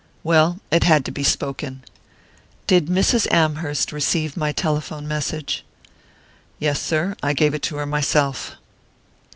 Well it had to be spoken! "Did Mrs. Amherst receive my telephone message?" "Yes, sir. I gave it to her myself."